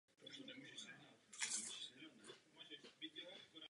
Existuje přitom dílčí zaměření na dětské schopnosti a vlohy.